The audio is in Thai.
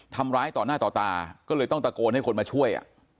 ทำร้ายต่อหน้าต่อตาก็เลยต้องตะโกนให้คนมาช่วย